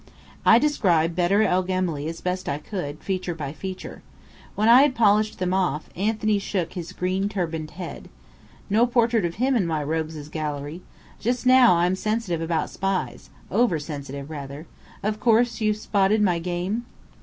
I described Bedr el Gemály as best I could, feature by feature. When I had polished them off, Anthony shook his green turbaned head. "No portrait of him in my rogues' gallery. Just now, I'm sensitive about spies over sensitive rather. Of course, you've spotted my game?"